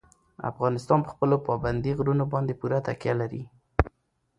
افغانستان په خپلو پابندي غرونو باندې پوره تکیه لري.